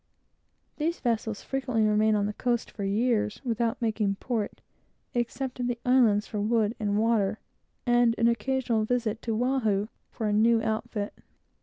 These vessels frequently remain on the coast for years, without making port, except at the islands for wood and water, and an occasional visit to Oahu for a new outfit.